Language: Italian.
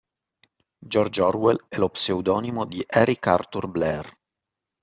George Orwell è lo pseudonimo di Eric Arthur Blair